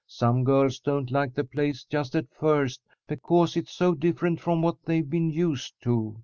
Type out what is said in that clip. Some girls don't like the place just at first, because it's so different from what they've been used to.